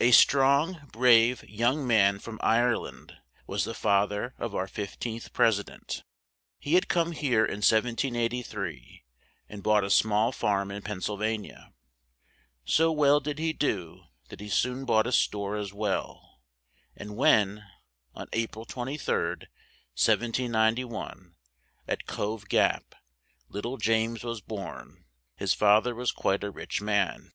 A strong, brave, young man from Ire land was the fa ther of our fif teenth pres i dent. He had come here in 1783, and bought a small farm in Penn syl va ni a; so well did he do that he soon bought a store as well; and when, on A pril 23d, 1791, at Cove Gap, lit tle James was born, his fa ther was quite a rich man.